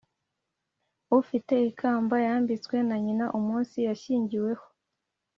Ufite ikamba yambitswe na nyina umunsi yashyingiweho